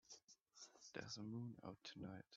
There's a moon out tonight.